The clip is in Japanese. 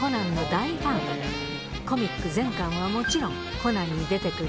コミック全巻はもちろん『コナン』に出て来る